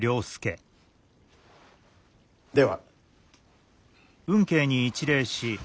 では。